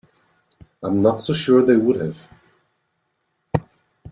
I'm not so sure they would have.